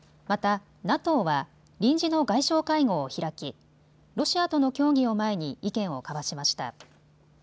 またＮＡＴＯは臨時の外相会合を開き、ロシアとの協議を前に意見を交わしました。